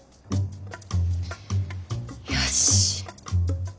よし。